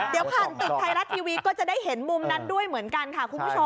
เดี๋ยวผ่านตึกไทยรัฐทีวีก็จะได้เห็นมุมนั้นด้วยเหมือนกันค่ะคุณผู้ชม